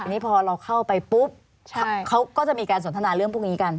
นี่พอเราเข้าไปปุ๊บเขาก็จะมีการสนทนาเรื่องพวกนี้กัน